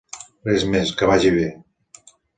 Res més, que vagi bé.